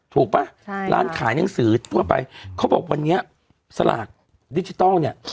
ป่ะใช่ร้านขายหนังสือทั่วไปเขาบอกวันนี้สลากดิจิทัลเนี่ย